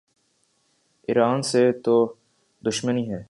ایران سے تو دشمنی ہے۔